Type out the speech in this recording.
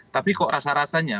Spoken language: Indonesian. tapi kok rasa rasanya